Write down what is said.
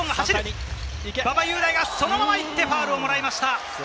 馬場雄大がそのまま行って、ファウルをもらいました。